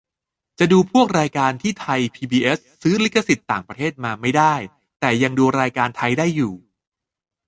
จะดูพวกรายการที่ไทยพีบีเอสซื้อลิขสิทธิ์ต่างประเทศมาไม่ได้ แต่ยังดูรายการไทยได้อยู่